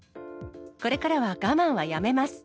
これからは我慢はやめます。